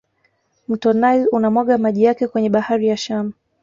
mto nile unamwaga maji yake kwenye bahari ya shamu